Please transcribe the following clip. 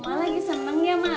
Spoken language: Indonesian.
mak lagi senang ya mak